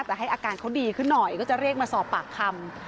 จะให้อาการเขาดีขึ้นหน่อยก็จะเรียกมาสอบปากคำ